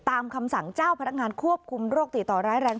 คำสั่งเจ้าพนักงานควบคุมโรคติดต่อร้ายแรง